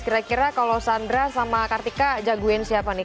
kira kira kalau sandra sama kartika jagoin siapa nih